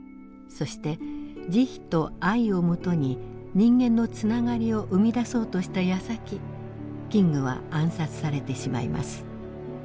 そして慈悲と愛をもとに人間のつながりを生み出そうとしたやさきキングは暗殺されてしまいます。